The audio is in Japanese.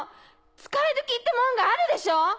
使い時ってもんがあるでしょ！